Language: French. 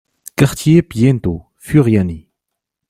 Quartier Piento, Furiani